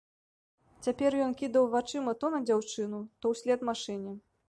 Цяпер ён кідаў вачыма то на дзяўчыну, то ўслед машыне.